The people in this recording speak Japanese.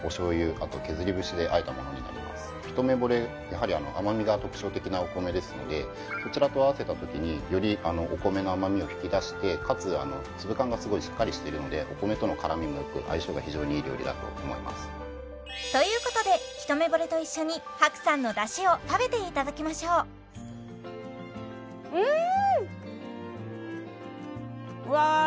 やはり甘みが特徴的なお米ですのでそちらと合わせたときによりお米の甘みを引き出してかつ粒感がすごいしっかりしているのでお米との絡みもよく相性が非常にいい料理だと思いますということでひとめぼれと一緒に白さんのだしを食べていただきましょううん！